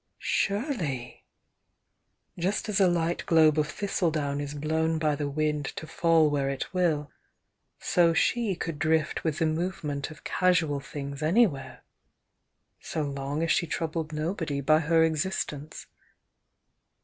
Surely! Just as a light globe of thistledown is blown by the wind to fall where it will, so she could drift with the movement of casual things anywhere, — so long as she troubled nobody by her existence.